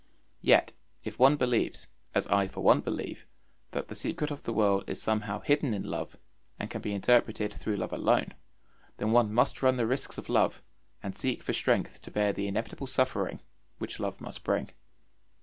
Yet if one believes, as I for one believe, that the secret of the world is somehow hidden in love, and can be interpreted through love alone, then one must run the risks of love, and seek for strength to bear the inevitable suffering which love must bring.